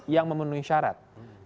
yang memenuhi syaratnya